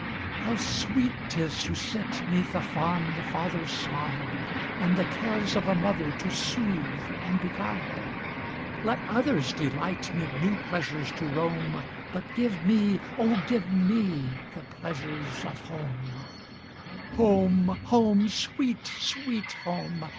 How sweet 'tis to sit 'neath a fond father's smile, And the cares of a mother to soothe and beguile! Let others delight mid new pleasures to roam, But give me, oh, give me, the pleasures of home! Home, Home, sweet, sweet Home!